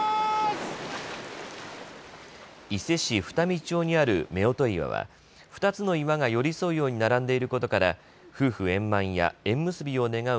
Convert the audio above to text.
伊勢市二見町にある夫婦岩は２つの岩が寄り添うように並んでいることから夫婦円満や縁結びを願う